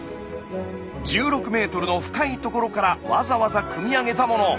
１６ｍの深い所からわざわざくみ上げたもの。